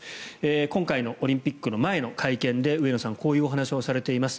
今回のオリンピックの前の会見で上野さんはこういうお話をされています。